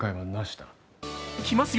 来ますよ。